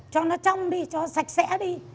cho nó trong đi cho sạch sẽ đi